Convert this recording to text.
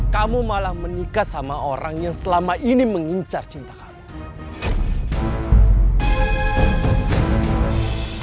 kamu malah menikah sama orang yang selama ini mengincar cinta kamu